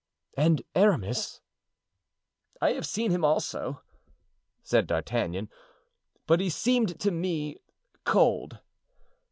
And Aramis?" "I have seen him also," said D'Artagnan; "but he seemed to me cold."